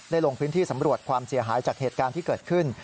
ลงพื้นที่สำรวจความเสียหายจากเหตุการณ์ที่เกิดขึ้น